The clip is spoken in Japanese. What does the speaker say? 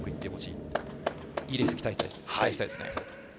いいレース期待したいですね。